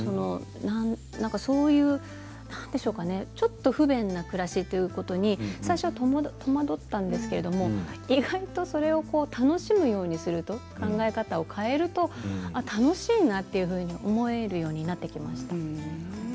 そういう、ちょっと不便な暮らしということに最初、戸惑ったんですけれど意外とそれを楽しむようにすると考え方を変えると楽しいなというふうに思えるようになってきました。